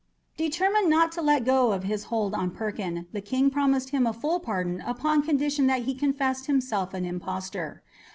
Determined not to let go his hold on Perkin, the king promised him a full pardon upon condition that he confessed himself an impostor.